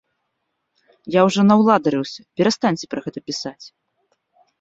Я ўжо наўладарыўся, перастаньце пра гэта пісаць.